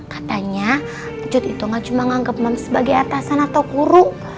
katanya njut itu gak cuma nganggep mams sebagai atasan atau guru